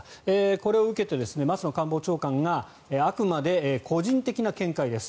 これを受けて、松野官房長官があくまで個人的な見解です